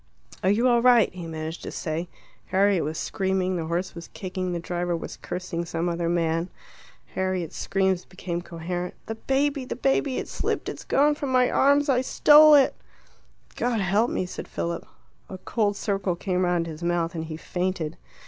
"Are you all right?" he managed to say. Harriet was screaming, the horse was kicking, the driver was cursing some other man. Harriet's screams became coherent. "The baby the baby it slipped it's gone from my arms I stole it!" "God help me!" said Philip. A cold circle came round his mouth, and, he fainted.